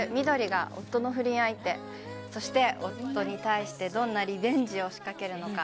翠が夫の不倫相手そして、夫に対してどんなリベンジを仕掛けるのか。